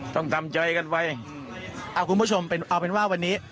ต้องทำใจกันไว้อ่าคุณผู้ชมเป็นเอาเป็นว่าวันนี้